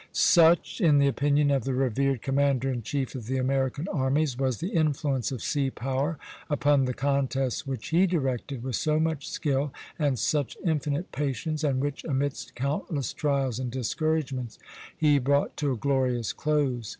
Such, in the opinion of the revered commander in chief of the American armies, was the influence of sea power upon the contest which he directed with so much skill and such infinite patience, and which, amidst countless trials and discouragements, he brought to a glorious close.